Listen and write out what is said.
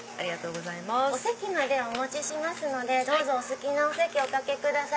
お席までお持ちしますのでお好きなお席おかけください。